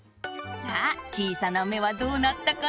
さあちいさなめはどうなったかな？